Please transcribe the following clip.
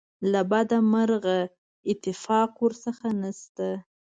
له بده مرغه اتفاق ورڅخه نشته.